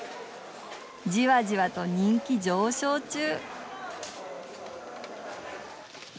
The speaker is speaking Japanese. じわじわと人気上昇中。